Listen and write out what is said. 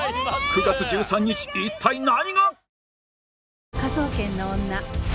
９月１３日一体何が！？